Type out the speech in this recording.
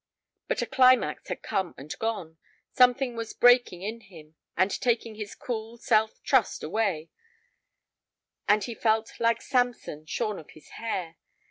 But a climax had come and gone; something was breaking in him and taking his cool self trust away, and he felt like Samson shorn of his hair.